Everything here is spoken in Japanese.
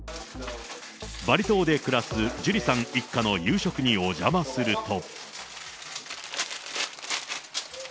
バリ島で暮らすジュリさん一家の夕食にお邪魔すると。